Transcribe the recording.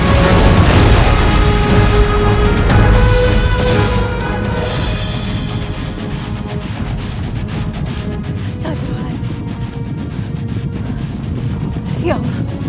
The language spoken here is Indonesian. pedang itu benar benar hebat